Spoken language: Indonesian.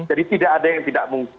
jadi tidak ada yang tidak mungkir